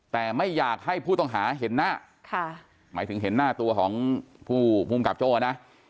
แต่ไม่อยากให้ผู้ต้องหาเห็นหน้าค่ะหมายถึงเห็นหน้าตัวของผู้ภูมิกับโจ้นะ